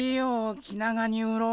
気長に売ろう。